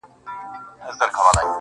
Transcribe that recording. ستادی ،ستادی، ستادی فريادي گلي,